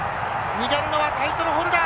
逃げるのはタイトルホルダー！